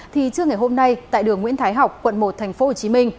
thì trước ngày hôm nay tại đường nguyễn thái học quận một thành phố hồ chí minh